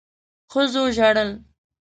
ښځو ژړل.